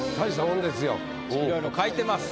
いろいろ書いてます。